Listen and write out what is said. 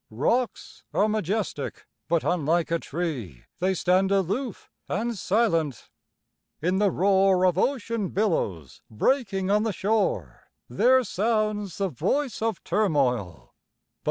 Rocks are majestic; but, unlike a tree, They stand aloof, and silent. In the roar Of ocean billows breaking on the shore There sounds the voice of turmoil.